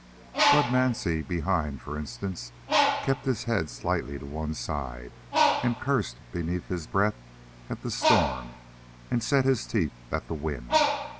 Bud Mansie behind, for instance, kept his head slightly to one side and cursed beneath his breath at the storm and set his teeth at the wind.